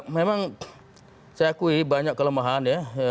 memang saya akui banyak kelemahan ya